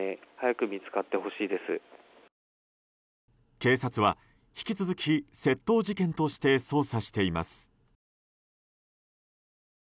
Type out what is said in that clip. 警察は引き続き窃盗事件として捜査しています。